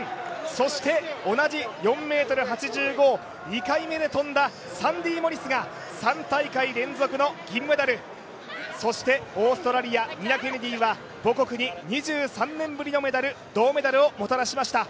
そして、同じ４ｍ８５を２回目で跳んだサンディ・モリスが３大会連続の銀メダルそしてオーストラリアニナ・ケネディは、母国に２３年ぶりのメダル、銅メダルをもたらしました。